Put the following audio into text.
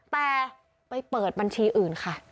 แต่ไปเปิดบัญชีอื่นค่ะ